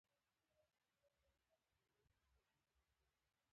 سبا ته د شپولې مېله ده او هلته به هم خلک راټول شي.